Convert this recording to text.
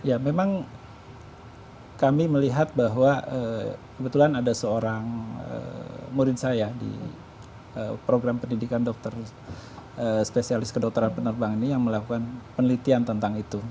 ya memang kami melihat bahwa kebetulan ada seorang murid saya di program pendidikan dokter spesialis kedokteran penerbangan ini yang melakukan penelitian tentang itu